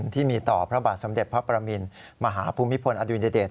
ที่มีต่อพระบาทสมเด็จพระประมินมหาภูมิพลอดุญเดช